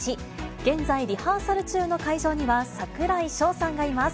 現在、リハーサル中の会場には、櫻井翔さんがいます。